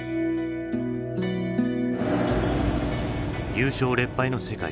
優勝劣敗の世界。